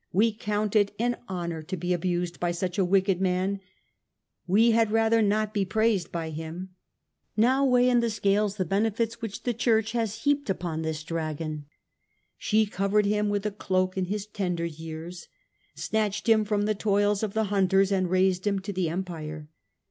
... We count it an honour to be abused by such a wicked man ; we had rather not be praised by him. ... Now weigh in the scales the benefits which the Church has heaped upon this Dragon. She covered him with a cloak in his tender years, snatched him from the toils of the hunters and raised him to the Empire.